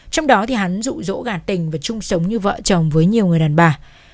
trong đó hắn rụ rỗ gà tình và chung sống như vợ chồng với nhiều người đàn bà